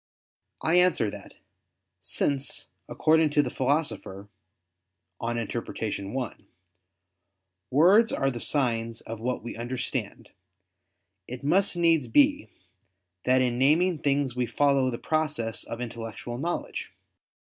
I answer that, Since, according to the Philosopher (Peri Herm. i), "words are the signs of what we understand," it must needs be that in naming things we follow the process of intellectual knowledge.